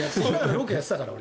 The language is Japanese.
ロケやってたから。